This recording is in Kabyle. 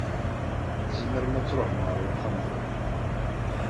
Tzemrem ad tṛuḥem ar wexxam tura.